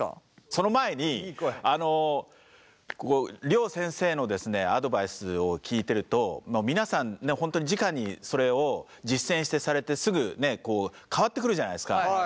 その前に両先生のですねアドバイスを聞いてると皆さん本当にじかにそれを実践されてすぐ変わってくるじゃないですか。